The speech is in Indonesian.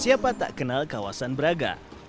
siapa tak kenal kawasan braga